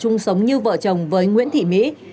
hồng sống như vợ chồng với nguyễn thị mỹ